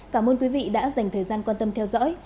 cảm ơn quý vị đã dành thời gian quan tâm theo dõi